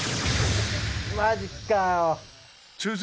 マジかよ。